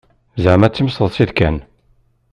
Zeεma d timseḍsit kan.